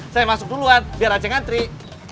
saya masuk duluan biar racengan trik